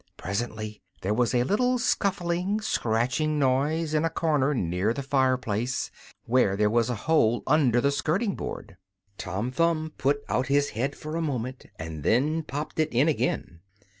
Presently there was a little scuffling, scratching noise in a corner near the fireplace, where there was a hole under the skirting board. Tom Thumb put out his head for a moment, and then popped it in again.